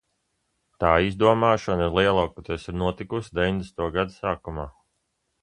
Tā iznomāšana lielākoties ir notikusi deviņdesmito gadu sākumā.